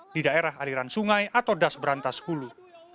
di daerah aliran sungai atau das berantas hulu